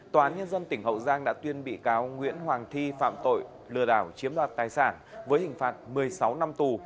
tòa án nhân dân tỉnh hậu giang đã tuyên bị cáo nguyễn hoàng thi phạm tội lừa đảo chiếm đoạt tài sản với hình phạt một mươi sáu năm tù